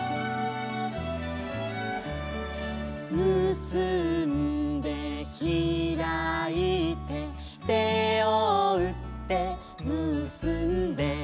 「むすんでひらいて」「手をうってむすんで」